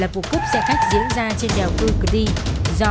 đặc biệt là vụ cướp xe khách diễn ra trên đèo cư cư đi do phạm văn thêu thực hiện